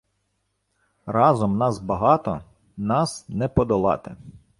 Разом нас багато, нас не подолати